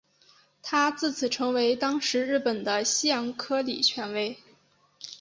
他自此成为当时日本的西洋料理权威。